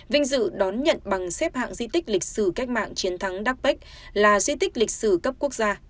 vinh dự đón nhận bằng xếp hạng di tích lịch sử cách mạng chiến thắng đac là di tích lịch sử cấp quốc gia